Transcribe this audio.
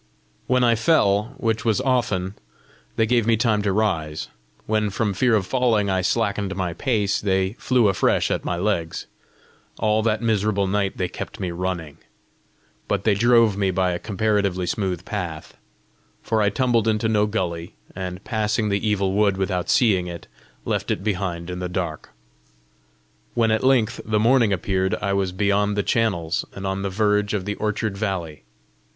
When I fell, which was often, they gave me time to rise; when from fear of falling I slackened my pace, they flew afresh at my legs. All that miserable night they kept me running but they drove me by a comparatively smooth path, for I tumbled into no gully, and passing the Evil Wood without seeing it, left it behind in the dark. When at length the morning appeared, I was beyond the channels, and on the verge of the orchard valley.